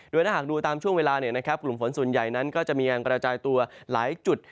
โดยถ้าหากดูตามช่วงเวลากลุ่มฝนส่วนใหญ่นั้นก็จะมีการกระจายตัวหลายจุด